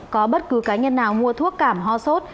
có bất cứ cá nhân nào mua thuốc cảm ho sốt